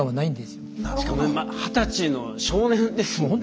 しかも二十歳の少年ですもんね。